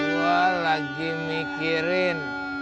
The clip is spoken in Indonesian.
gua lagi mikirin